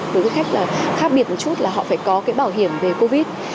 đối với khách là khác biệt một chút là họ phải có cái bảo hiểm về covid